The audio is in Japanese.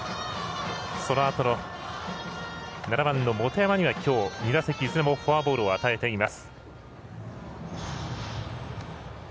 そのあとの７番の元山にはきょう、２打席いずれもフォアボールを与えています。